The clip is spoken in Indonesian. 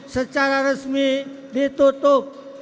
secara resmi ditutup